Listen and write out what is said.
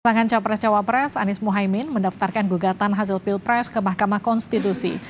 pasangan capres cawapres anies mohaimin mendaftarkan gugatan hasil pilpres ke mahkamah konstitusi